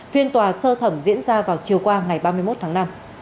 phiên tòa sơ thẩm diễn ra vào chiều qua ngày ba mươi một tháng năm